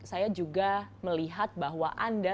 saya juga melihat bahwa anda